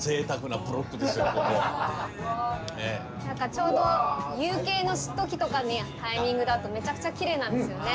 ちょうど夕景の時とかのタイミングだとめちゃくちゃきれいなんですよね！